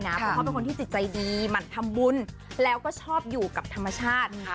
เพราะเขาเป็นคนที่จิตใจดีหมั่นทำบุญแล้วก็ชอบอยู่กับธรรมชาติ